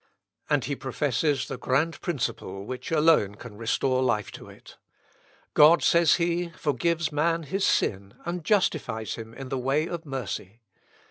And he professes the grand principle which alone can restore life to it. "God," says he, "forgives man his sin, and justifies him in the way of mercy.